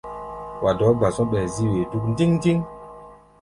Wa dɔɔ́ gba-zɔ̧́, ɓɛɛ zí-wee dúk ndíŋ-ndíŋ.